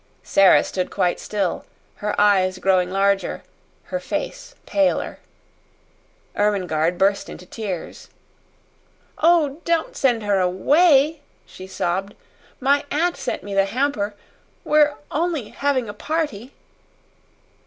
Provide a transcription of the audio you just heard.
Sara stood quite still, her eyes growing larger, her face paler. Ermengarde burst into tears. "Oh, don't send her away," she sobbed. "My aunt sent me the hamper. We're only having a party."